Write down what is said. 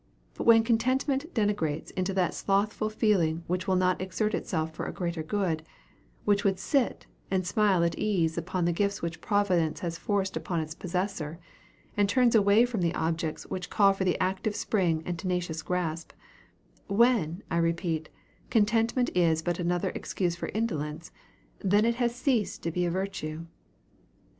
but when contentment degenerates into that slothful feeling which will not exert itself for a greater good which would sit, and smile at ease upon the gifts which Providence has forced upon its possessor, and turns away from the objects, which call for the active spring and tenacious grasp when, I repeat, contentment is but another excuse for indolence, it then has ceased to be a virtue.